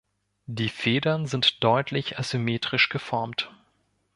Die Federn sind deutlich asymmetrisch geformt.